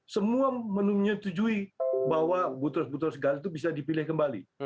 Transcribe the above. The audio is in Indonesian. semua menyetujui bahwa butros butros ghali itu bisa dipilih kembali